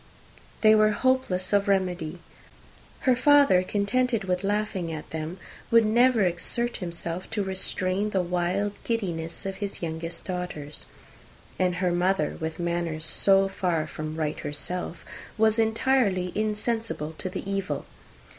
They were hopeless of remedy. Her father, contented with laughing at them, would never exert himself to restrain the wild giddiness of his youngest daughters; and her mother, with manners so far from right herself, was entirely insensible of the evil.